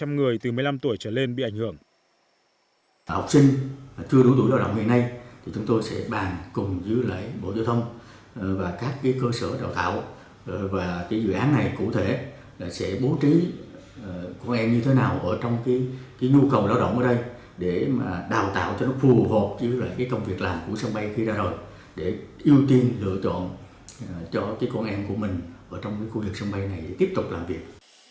học sinh chưa đủ tuổi lao động hiện nay chúng tôi sẽ bàn cùng với bộ giao thông và các cơ sở đào tạo và dự án này cụ thể sẽ bố trí con em như thế nào trong nhu cầu lao động ở đây để đào tạo cho nó phù hợp với công việc làm của sân bay khi ra đời để ưu tiên lựa chọn cho con em của mình ở trong khu vực sân bay này để tiếp tục làm việc